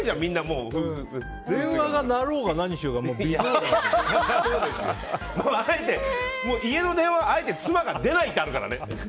電話が鳴ろうが家の電話はあえて妻が出ないってあるからね。